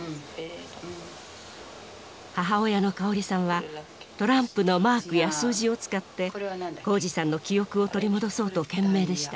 母親の佳穂里さんはトランプのマークや数字を使って宏司さんの記憶を取り戻そうと懸命でした。